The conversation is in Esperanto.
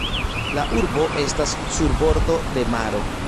La urbo estas sur bordo de maro.